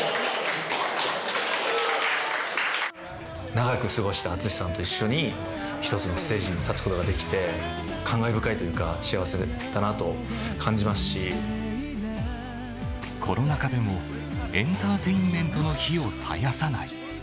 長らく過ごしたＡＴＳＵＳＨＩさんと一緒に、一つのステージに立つことができて、感慨深いとコロナ禍でも、エンターテインメントの灯を絶やさない。